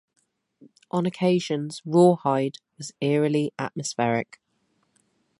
On occasions, "Rawhide" was eerily atmospheric.